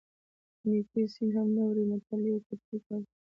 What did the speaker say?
نیکي سین هم نه وړي متل د یوې کوترې او کبانو کیسه ده